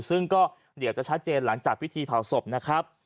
ซึ่งเดี๋ยวก็จะชัดเจนหลังจากวิธีเป่าสบ